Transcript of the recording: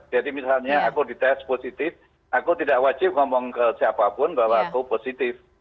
jadi misalnya aku di test positif aku tidak wajib ngomong ke siapapun bahwa aku positif